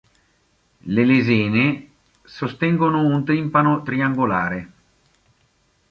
Le lesene sostengono un timpano triangolare.